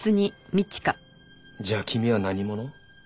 じゃあ君は何者？